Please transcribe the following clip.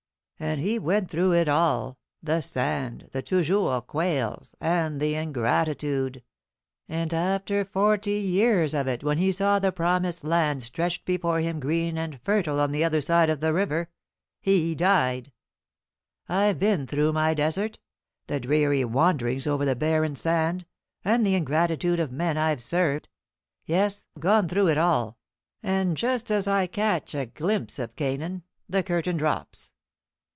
And he went through it all: the sand, and the toujours quails, and the ingratitude; and after forty years of it, when he saw the Promised Land stretched before him green and fertile on the other side of the river he died! I've been through my desert, the dreary wanderings over the barren sand, and the ingratitude of men I've served. Yes, I've gone through it all; and just as I catch a glimpse of Canaan, the curtain drops."